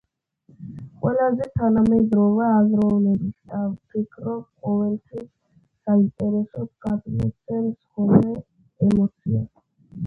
ყველაზე თანამედროვე აზროვნების და ვფიქრობ ყოველთვის საინტერესოდ გადმოცემს ხოლმე ემოციას.